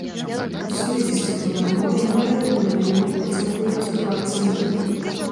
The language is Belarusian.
У сувязі з цёплым надвор'ем на рэках і вадаёмах працягвае разбурацца лёд.